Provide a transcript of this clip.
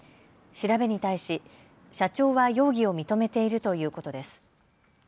調べに対し社長は容疑を認めているということです。